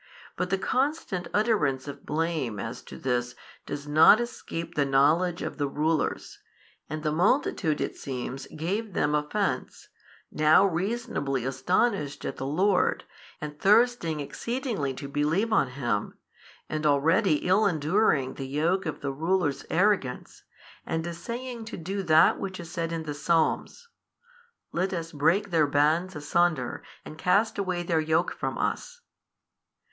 But the constant utterance of blame as to this does not escape the knowledge of the rulers, and the multitude (it seems) gave them offence, now reasonably astonished at the Lord, and thirsting exceedingly to believe on Him, and already ill enduring the yoke of the rulers' arrogance, and essaying to do that which is said in the Psalms, Let us break their bands asunder, and cast away their yoke from us.